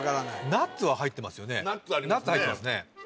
ナッツ入ってますね